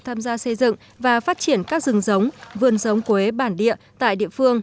tham gia xây dựng và phát triển các rừng giống vườn giống quế bản địa tại địa phương